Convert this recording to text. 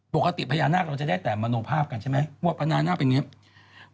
ปกติพญานาคเราจะได้แต่มโนภาพกันใช่ไหมว่าพญานาคเป็นอย่างนี้